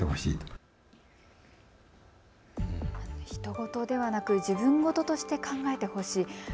ひと事ではなく自分事として考えてほしい。